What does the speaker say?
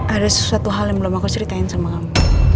ada sesuatu hal yang belum aku ceritain sama kamu